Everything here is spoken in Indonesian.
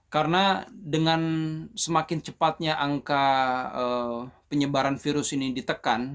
karena dengan semakin cepatnya angka penyebaran virus ini ditekan